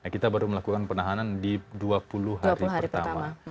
kita baru melakukan penahanan di dua puluh hari pertama